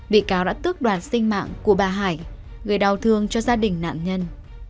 bị cáo đã tước đoạt sinh mạng của bà hải gây đau thương cho gia đình nạn nhân